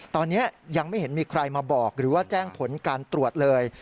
ตอนนี้ยังไม่เห็นมีใครมาบอกหรือว่าแจ้งผลการตรวจเลย